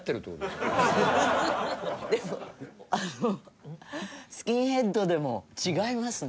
でもあのスキンヘッドでも違いますね。